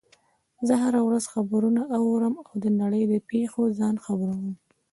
زه هره ورځ خبرونه اورم او د نړۍ له پیښو ځان خبر وم